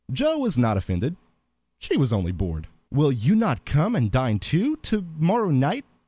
Joe was not offended; she was only bored. "Will you not come and dine too, to morrow night?"